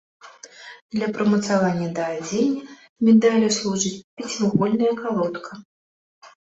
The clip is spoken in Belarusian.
Для прымацавання да адзення медаля служыць пяцівугольная калодка.